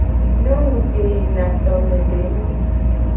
Nyonu ke yina tome be nyi.